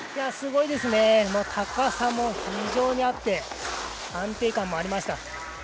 すごいですね、高さも非常にあって、安定感もありました。